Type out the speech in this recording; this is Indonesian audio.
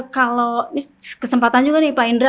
kalau kesempatan juga nih pak indra